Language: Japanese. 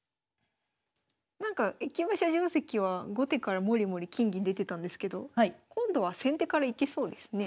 なんか駅馬車定跡は後手からもりもり金銀出てたんですけど今度は先手からいけそうですね。